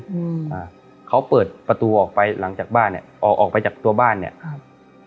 อืมอ่าเขาเปิดประตูออกไปหลังจากบ้านเนี้ยออกออกไปจากตัวบ้านเนี้ยครับ